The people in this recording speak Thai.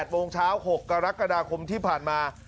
โมงเช้า๖กรกฎาคมที่ผ่านมา